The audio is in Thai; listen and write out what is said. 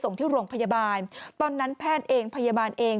ส่งที่โรงพยาบาลตอนนั้นแพทย์เองพยาบาลเอง